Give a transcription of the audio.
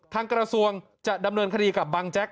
ทางกระทรวงจะดำเนินคดีกับบังแจ๊ก